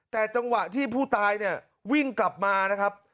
แต่จังหวะที่ผู้ตายเนี่ยวิ่งกลับมานะครับ